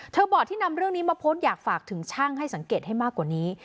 บอกที่นำเรื่องนี้มาโพสต์อยากฝากถึงช่างให้สังเกตให้มากกว่านี้